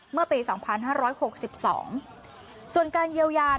เมื่อปีสองพันห้าร้อยหกสิบสองส่วนการเยียวยานะคะ